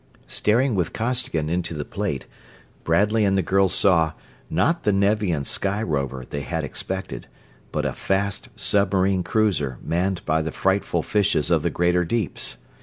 Staring with Costigan into the plate, Bradley and the girl saw, not the Nevian sky rover they had expected, but a fast submarine cruiser, manned by the frightful fishes of the greater deeps.